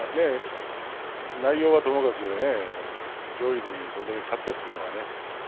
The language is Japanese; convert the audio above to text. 内容はともかく上位にそれだけ勝ったというのは。